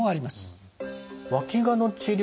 わきがの治療